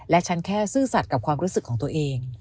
และฉันแค่ซื่อสัตว์กับความรู้สึกของตัวเอง